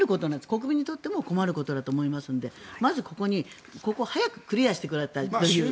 国民にとっても困ることだと思いますのでまず、ここを早くクリアしてもらいたいと思います。